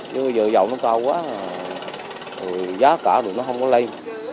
chú bây giờ giọng nó cao quá giá cả rồi nó không có lây